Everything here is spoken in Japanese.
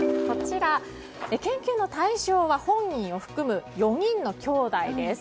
研究の対象は、本人を含む４人のきょうだいです。